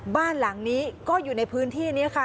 บ้านหลังนี้ก็อยู่ในพื้นที่นี้ค่ะ